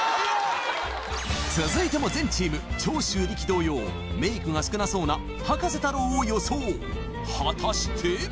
続いても全チーム長州力同様メイクが少なそうな葉加瀬太郎を予想果たして？